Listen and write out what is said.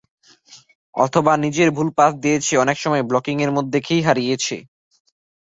অথবা নিজেরা ভুল পাস দিয়েছে, অনেক সময় ব্লকিংয়ের মুখে পড়ে খেই হারিয়েছে।